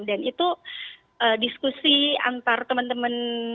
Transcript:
dan itu diskusi antar teman teman